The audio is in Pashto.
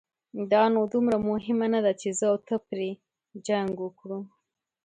دا نو دومره مهمه نه ده، چې زه او ترې پرې جنګ وکړو.